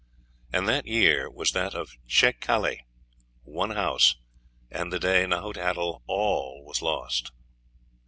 "And that year was that of cé calli, '1 house,' and the day Nahui atl all was lost.